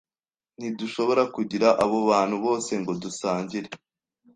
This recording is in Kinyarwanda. Ntidushobora kugira abo bantu bose ngo dusangire.